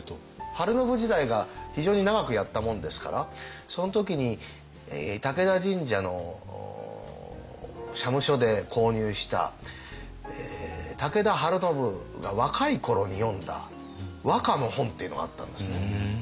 晴信時代が非常に長くやったもんですからその時に武田神社の社務所で購入した武田晴信が若い頃に詠んだ和歌の本っていうのがあったんですね。